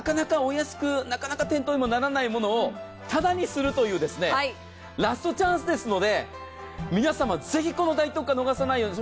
なかなか店頭でもお安くならないものをただにするというラストチャンスですので、皆様、ぜひこの大特価逃さないように。